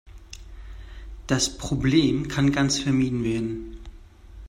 Das Problem kann ganz vermieden werden.